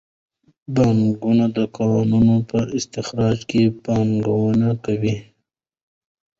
بانکونه د کانونو په استخراج کې پانګونه کوي.